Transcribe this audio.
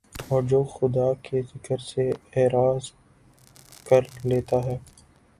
اور جو خدا کے ذکر سے اعراض کر لیتا ہے